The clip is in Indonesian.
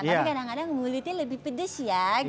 tapi kadang kadang mulitnya lebih pedes ya gitu